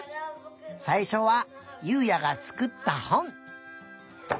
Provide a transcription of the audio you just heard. さいしょはゆうやがつくったほん。